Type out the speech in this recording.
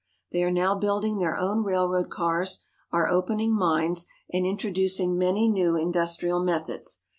They are now building their own railroad cars, are opening mines, and introducing many new industrial methods.